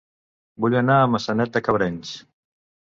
Vull anar a Maçanet de Cabrenys